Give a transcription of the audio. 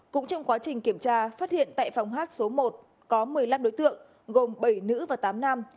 cũng trong quá trình kiểm tra phát hiện tại phòng hát số một có một mươi năm đối tượng gồm bảy nữ và tám nam